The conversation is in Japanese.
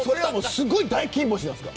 すごい大金星なんですか。